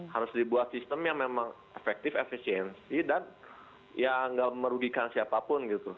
harus dibuat sistem yang memang efektif efisiensi dan ya nggak merugikan siapapun gitu